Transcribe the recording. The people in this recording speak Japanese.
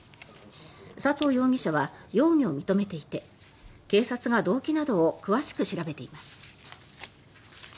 佐藤容疑者は容疑を認めていて警察が動機などを詳しく調べています。